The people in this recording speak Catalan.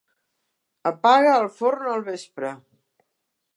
Apaga el forn al vespre.